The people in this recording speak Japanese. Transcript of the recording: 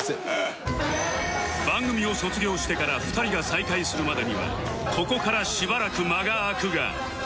番組を卒業してから２人が再会するまでにはここからしばらく間が空くが